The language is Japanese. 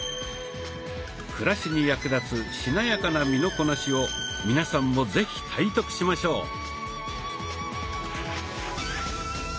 暮らしに役立つしなやかな身のこなしを皆さんも是非体得しましょう。